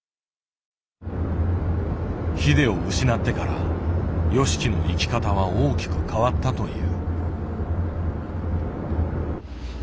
ＨＩＤＥを失ってからＹＯＳＨＩＫＩの生き方は大きく変わったという。